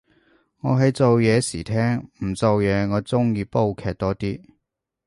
我係做嘢時聽，唔做嘢我鍾意煲劇多啲